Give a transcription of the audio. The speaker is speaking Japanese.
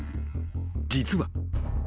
［実は］